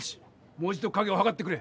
もう一度影をはかってくれ！